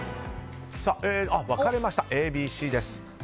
分かれました、ＡＢＣです。